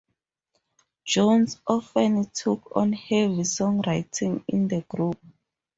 Jones often took on heavy songwriting in the group.